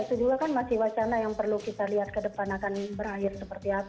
itu juga kan masih wacana yang perlu kita lihat ke depan akan berakhir seperti apa